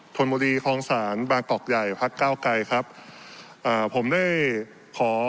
ชนบุรีคลองศาลบางกอกใหญ่พักเก้าไกรครับอ่าผมได้ขอ